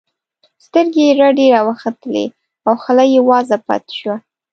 سترګې یې رډې راوختلې او خوله یې وازه پاتې شوه